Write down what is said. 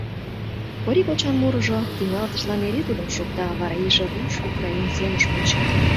Кори кочан мурыжо, тӱҥалтышлан эре тудым шокта, вара иже руш, украин семыш вонча.